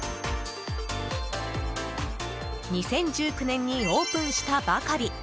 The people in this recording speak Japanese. ２０１９年にオープンしたばかり。